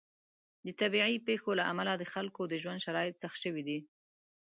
د طبیعي پیښو له امله د خلکو د ژوند شرایط سخت شوي دي.